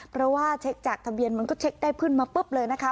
เพราะว่าเช็คจากทะเบียนมันก็เช็คได้ขึ้นมาปุ๊บเลยนะคะ